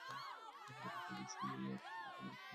অবরোধ কালীন সময়ে রক্ষা পাবার জন্য এটা একটা স্টোররুম।